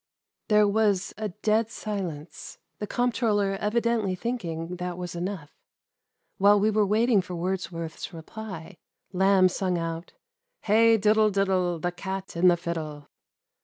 There was a dead silence ; the comptroller evidently thinking that was enough. While we were waiting for Wordsworth's reply, Lamh sung out "Hey diddle diddle, The cat and the fiddle."